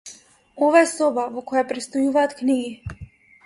Ова е соба во која престојуваат книги.